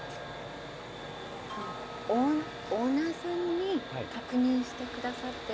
オーナーさんに確認してくださってるんで。